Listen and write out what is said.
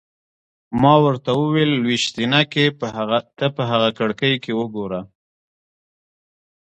ما ورته وویل: لویشتينکې! ته په هغه کړکۍ کې وګوره.